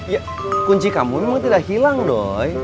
ya kunci kamu memang tidak hilang dong